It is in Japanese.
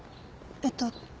えっと。